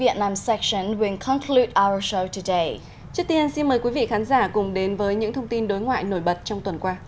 trước tiên xin mời quý vị khán giả cùng đến với những thông tin đối ngoại nổi bật trong tuần qua